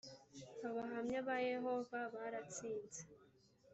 abahamya ba yehova baratsinze